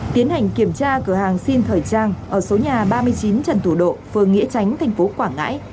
tiến hành kiểm tra cửa hàng xin thời trang ở số nhà ba mươi chín trần thủ độ phường nghĩa chánh tp quảng ngãi